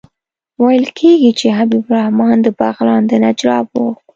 ویل کېږي چې حبیب الرحمن د بغلان د نجراب وو.